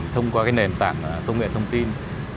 thông qua cái nền tảng công nghệ thông tin